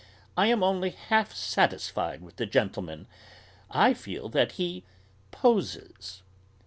"I am only half satisfied with the gentleman. I feel that he 'poses.'"